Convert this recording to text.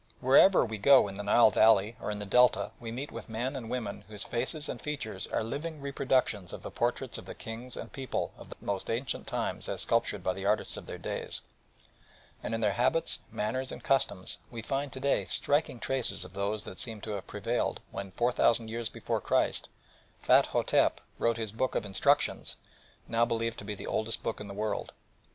Wherever we go in the Nile valley or in the Delta we meet with men and women whose faces and features are living reproductions of the portraits of the kings and people of the most ancient times as sculptured by the artists of their days. And in their habits, manners, and customs, we find to day striking traces of those that seem to have prevailed when four thousand years before Christ, Ptah hotep wrote his book of "Instructions," now believed to be the oldest book in the world.